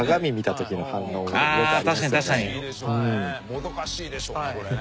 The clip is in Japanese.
もどかしいでしょうこれね。